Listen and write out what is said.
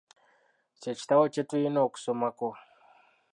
Kye kitabo kye tulina okusomako.